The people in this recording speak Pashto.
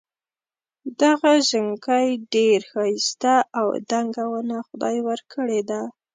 دغه ژڼکی ډېر ښایسته او دنګه ونه خدای ورکړي ده.